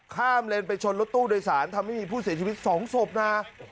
เลนไปชนรถตู้โดยสารทำให้มีผู้เสียชีวิต๒ศพนะ